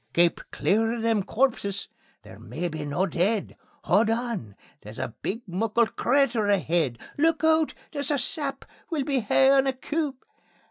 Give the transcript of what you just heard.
"Keep clear o' them corpses they're maybe no deid! Haud on! There's a big muckle crater aheid. Look oot! There's a sap; we'll be haein' a coup.